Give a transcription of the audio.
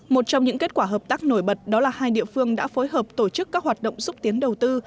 một trong những kết quả hợp tác nổi bật đó là hai địa phương đã phối hợp tổ chức các hoạt động xúc tiến đầu tư